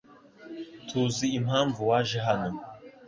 Tuzi impamvu waje hano .